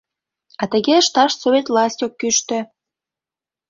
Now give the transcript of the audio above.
А тыге ышташ совет власть ок кӱштӧ.